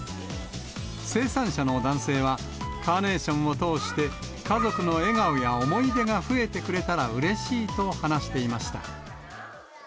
生産者の男性は、カーネーションを通して、家族の笑顔や思い出が増えてくれたらうれしいと話していました。